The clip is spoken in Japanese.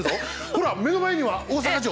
ほら目の前には大坂城。